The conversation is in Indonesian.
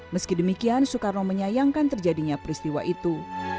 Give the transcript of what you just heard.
meski demikian soekarno menyayangkan terjadinya peristiwa itu